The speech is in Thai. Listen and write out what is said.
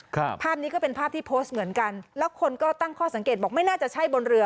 ภาพนี้ก็เป็นภาพที่โพสต์เหมือนกันแล้วคนก็ตั้งข้อสังเกตบอกไม่น่าจะใช่บนเรือ